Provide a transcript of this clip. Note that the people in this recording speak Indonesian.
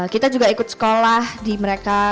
kita juga ikut sekolah di mereka